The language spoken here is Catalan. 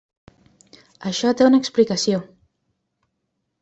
Això té una explicació.